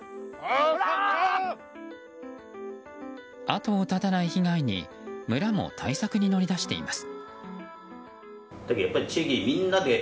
後を絶たない被害に村も対策に乗り出しています。